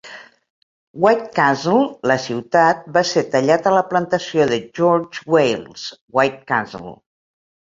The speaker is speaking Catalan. White Castle, la ciutat, va ser tallat a la plantació de George Wailes, "White Castle".